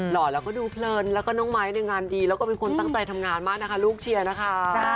ห่อแล้วก็ดูเพลินแล้วก็น้องไม้ในงานดีแล้วก็เป็นคนตั้งใจทำงานมากนะคะลูกเชียร์นะคะ